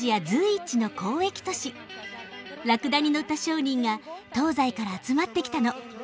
ラクダに乗った商人が東西から集まってきたの。